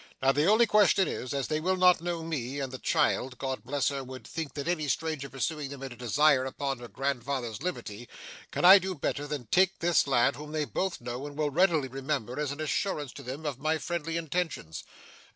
Now, the only question is, as they will not know me, and the child, God bless her, would think that any stranger pursuing them had a design upon her grandfather's liberty can I do better than take this lad, whom they both know and will readily remember, as an assurance to them of my friendly intentions?